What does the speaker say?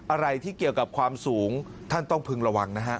อะไรที่เกี่ยวกับความสูงท่านต้องพึงระวังนะฮะ